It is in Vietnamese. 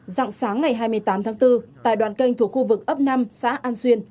rạng sáng ngày hai mươi tám tháng bốn tại đoàn kênh thuộc khu vực ấp năm xã an xuyên